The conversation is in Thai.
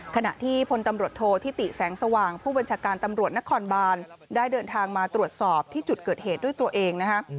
ขณะที่พลตำรวจโทษธิติแสงสว่างผู้บัญชาการตำรวจนครบานได้เดินทางมาตรวจสอบที่จุดเกิดเหตุด้วยตัวเองนะฮะ